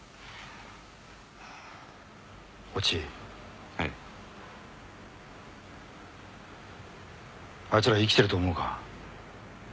越智はいアイツら生きてると思うか？